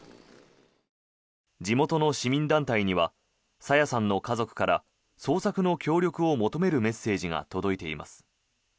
地元の市民団体には朝芽さんの家族から捜索の協力を求めるメッセージが届いています。